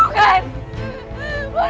apa yang kalian lakukan